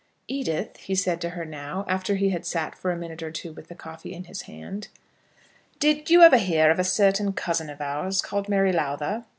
"Edith," he said to her now, after he had sat for a minute or two with the coffee in his hand; "did you ever hear of a certain cousin of ours, called Mary Lowther?"